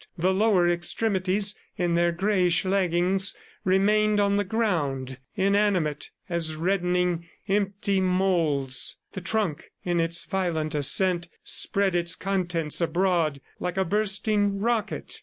The lower extremities, in their grayish leggings remained on the ground, inanimate as reddening, empty moulds. The trunk, in its violent ascent, spread its contents abroad like a bursting rocket.